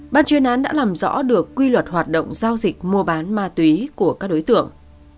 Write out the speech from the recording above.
ban chuyên án đã làm rõ được quy luật hoạt động giao dịch mua bán ma túy của các đối tượng